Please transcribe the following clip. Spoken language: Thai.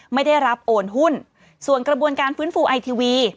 ไม่ได้รับโอนหุ้นส่วนกระบวนการฟื้นฟูไอทีวี